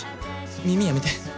耳やめて。